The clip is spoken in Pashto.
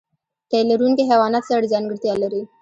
تی لرونکي حیوانات څه ځانګړتیا لري؟